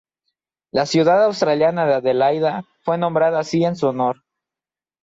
La ciudad australiana de Adelaida fue nombrada así en su honor.